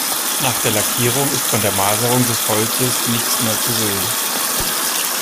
Nach der Lackierung ist von der Maserung des Holzes nichts mehr zu sehen.